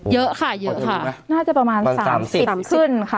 เยอะค่ะเยอะค่ะน่าจะประมาณสามสิบสามสิบขึ้นค่ะ